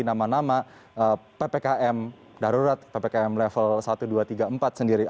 nama nama ppkm darurat ppkm level satu dua tiga empat sendiri